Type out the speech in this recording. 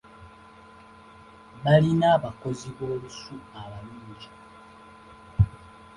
Baalina abakozi b'olusu abalungi.